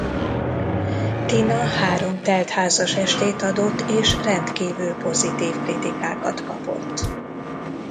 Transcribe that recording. Tina három telt házas estét adott és rendkívül pozitív kritikákat kapott.